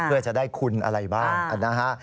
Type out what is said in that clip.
เพื่อจะได้คุณอะไรบ้างนะฮะ